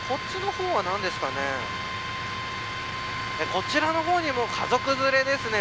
こちらの方にも家族連れですね。